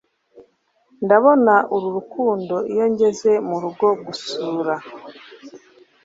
ndabona uru rukundo iyo ngeze murugo gusura